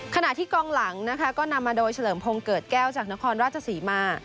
ขณะที่กองหลังนะคะก็นำมาโดยเฉลิมพงศ์เกิดแก้วจากนครราชศรีมา